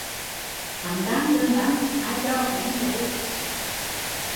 Hắn can cường lắm, ai cho cũng không lấy